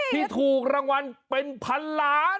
ที่ถูกรางวัลเป็นพันล้าน